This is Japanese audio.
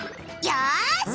よし！